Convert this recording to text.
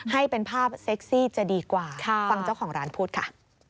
ให้เป็นภาพเซ็กซี่จะดีกว่าฟังเจ้าของร้านพูดค่ะ